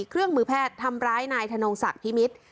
เครื่องมือแพทย์ทำร้ายนายธนงศักดิ์พิมิตร